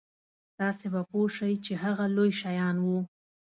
تاسو به پوه شئ چې هغه لوی شیان وو.